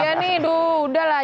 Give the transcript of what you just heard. iya nih udah lah